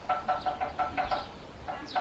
冬宫提供的作品特别重要。